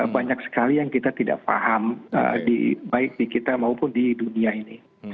banyak sekali yang kita tidak paham baik di kita maupun di dunia ini